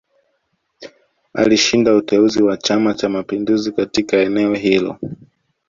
Alishinda uteuzi wa Chama Cha Mapinduzi katika eneo hilo